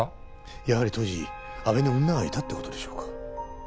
やはり当時阿部に女がいたって事でしょうか？